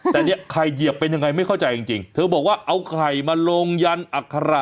แต่เนี่ยไข่เหยียบเป็นยังไงไม่เข้าใจจริงเธอบอกว่าเอาไข่มาลงยันอัคระ